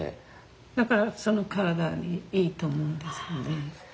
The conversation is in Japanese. だからその体にいいと思うんですよね。